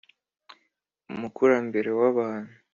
umukurambere w’abantu